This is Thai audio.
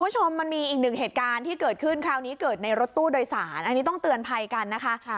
คุณผู้ชมมันมีอีกหนึ่งเหตุการณ์ที่เกิดขึ้นคราวนี้เกิดในรถตู้โดยสารอันนี้ต้องเตือนภัยกันนะคะ